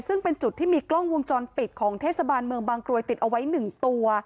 ซึ่งเป็นจุดที่มีกล้องวงจรปิดของเทศบาลเมืองบางกรวยติดเอาไว้๑ตัว